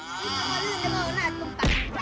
นี่เขาเล่นอยู่ของหน้าตุ้มตัก